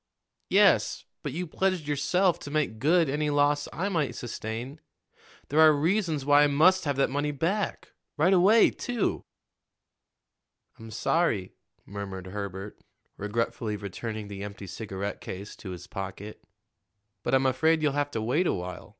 "Yes, but you pledged yourself to make good any loss I might sustain. There are reasons why I must have that money back right away, too." "I'm sorry," murmured Herbert, regretfully returning the empty cigarette case to his pocket; "but I'm afraid you'll have to wait a while.